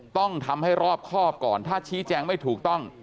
ต้องทำให้รอบครอบก่อนถ้าชี้แจงไม่ถูกต้อง